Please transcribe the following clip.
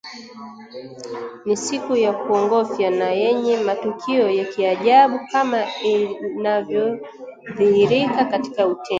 Ni siku ya kuogofya na yenye matukio ya kiajabu kama inavyodhihirika katika utenzi